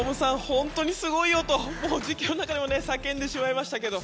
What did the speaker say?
本当にすごいよと実況の中でも叫んでしまいましたけど。